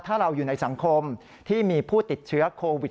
ถ้าเราอยู่ในสังคมที่มีผู้ติดเชื้อโควิด